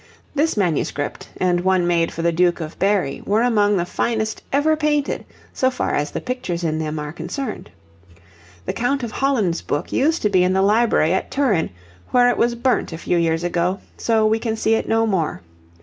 This manuscript and one made for the Duke of Berry were among the finest ever painted so far as the pictures in them are concerned. The Count of Holland's book used to be in the library at Turin, where it was burnt a few years ago, so we can see it no more.